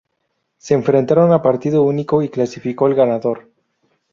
Se enfrentaron a partido único y clasificó el ganador.